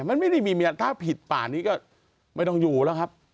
มันไม่ได้มีเมียถ้าผิดป่านี้ก็ไม่ต้องอยู่แล้วครับ